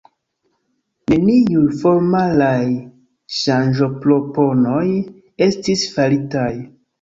Neniuj formalaj ŝanĝoproponoj estis faritaj.